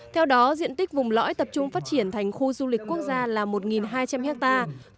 theo đó diện tích vùng lõi tập trung phát triển thành khu du lịch quốc gia là một hai trăm linh hectare